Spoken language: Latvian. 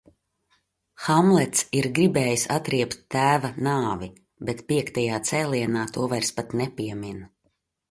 Hamlets ir gribējis atriebt tēva nāvi, bet piektajā cēlienā to vairs pat nepiemin.